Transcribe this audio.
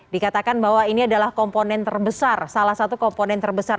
dikatakan bahwa ini adalah komponen terbesar salah satu komponen terbesar